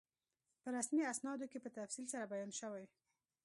په رسمي اسنادو کې په تفصیل سره بیان شوی.